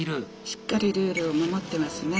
しっかりルールを守ってますね。